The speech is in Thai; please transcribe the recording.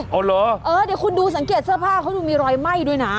เอาเหรอเออเดี๋ยวคุณดูสังเกตเสื้อผ้าเขาดูมีรอยไหม้ด้วยนะ